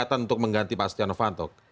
kekuatan untuk mengganti pak steno fantom